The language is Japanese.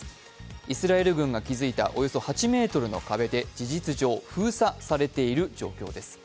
イスラエル軍が築いたおよそ８ｍの壁で事実上封鎖されている状況です。